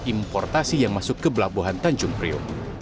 importasi yang masuk ke pelabuhan tanjung priok